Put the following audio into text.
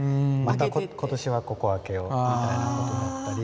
今年はここ開けようみたいなことだったり。